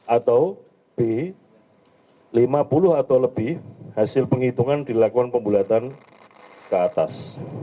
atau b lima puluh atau lebih hasil penghitungan dilakukan pembulatan ke atas